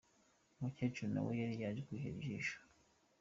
Umukecuru nawe yari yaje kwihera ijisho.